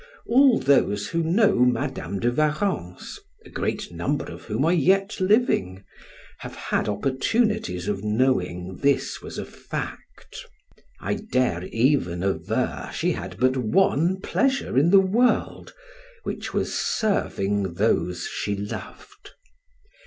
All those who know Madam de Warrens (a great number of whom are yet living) have had opportunities of knowing this was a fact; I dare even aver she had but one pleasure in the world, which was serving those she loved.